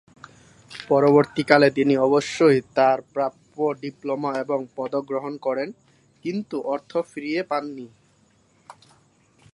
পরবর্তীকালে তিনি অবশ্য তাঁর প্রাপ্য ডিপ্লোমা এবং পদক গ্রহণ করেন, কিন্তু অর্থ ফিরে পাননি।